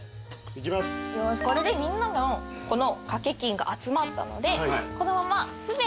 これでみんなの賭け金が集まったのでこのまま全て。